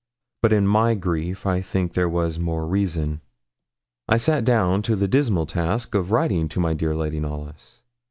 But in my grief I think there was more reason. I sat down to the dismal task of writing to my dear Lady Knollys.